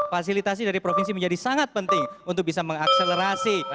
fasilitasi dari provinsi menjadi sangat penting untuk bisa mengakselerasi